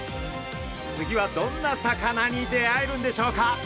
次はどんな魚に出会えるんでしょうか？